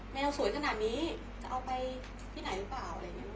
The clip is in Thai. แมวสวยขนาดนี้จะเอาไปที่ไหนรึเปล่า